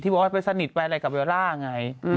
ที่บอกว่าจะไปสนิทไปอะไรกับเบลลาร์ไง